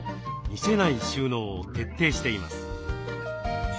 見せない収納を徹底しています。